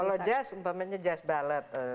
kalau jazz umpamanya jazz ballot